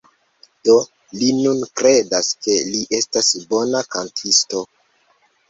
Do, li nun kredas, ke li estas bona kantisto